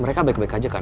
mereka baik baik aja kan